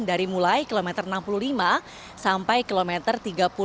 dari mulai kilometer enam puluh lima sampai kilometer tiga puluh